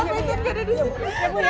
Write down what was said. saya mau izzan sekarang dimana